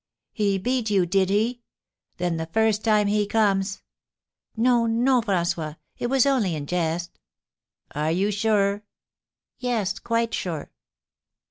"He beat you, did he? Then, the first time he comes " "No, no, François; it was only in jest." "Are you sure?" "Yes, quite sure."